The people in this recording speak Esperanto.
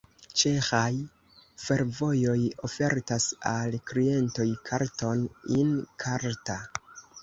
Ĉeĥaj fervojoj ofertas al klientoj karton In-karta.